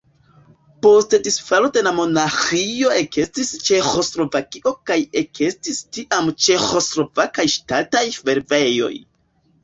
Post disfalo de la monarĥio ekestis Ĉeĥoslovakio kaj ekestis tiam Ĉeĥoslovakaj ŝtataj fervojoj.